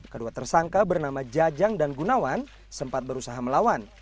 kedua tersangka bernama jajang dan gunawan sempat berusaha melawan